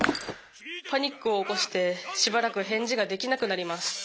パニックを起こしてしばらく返事ができなくなります。